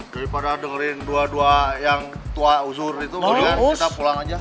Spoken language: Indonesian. daripada dengerin dua dua yang tua uzur itu kemudian kita pulang aja